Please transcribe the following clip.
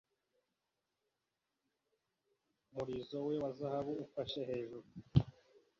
umurizo we wa zahabu ufashe hejuru